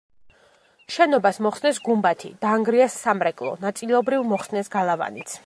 შენობას მოხსნეს გუმბათი, დაანგრიეს სამრეკლო, ნაწილობრივ მოხსნეს გალავანიც.